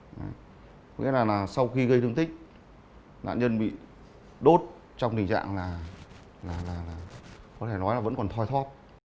có nghĩa là sau khi gây thương tích nạn nhân bị đốt trong tình trạng là có thể nói là vẫn còn thoai thóp